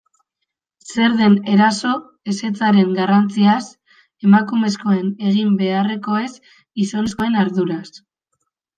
Zer den eraso, ezetzaren garrantziaz, emakumezkoen egin beharrekoez, gizonezkoen arduraz...